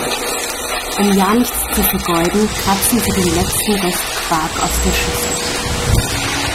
Um ja nichts zu vergeuden, kratzen sie den letzten Rest Quark aus der Schüssel.